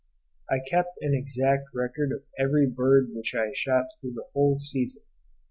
I kept an exact record of every bird which I shot throughout the whole season.